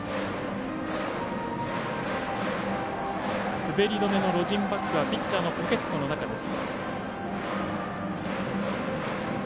滑り止めのロジンバッグはピッチャーのポケットの中です。